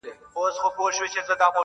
نه بڼو یمه ویشتلی، نه د زلفو زولانه یم!.